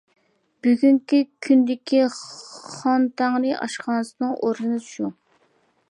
بۈگۈنكى كۈندىكى خانتەڭرى ئاشخانىسىنىڭ ئورنى شۇ.